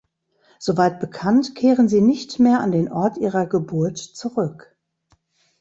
Soweit bekannt kehren sie nicht mehr an den Ort ihrer Geburt zurück.